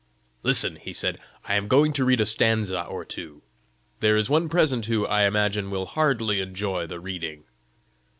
"Listen," he said: "I am going to read a stanza or two. There is one present who, I imagine, will hardly enjoy the reading!"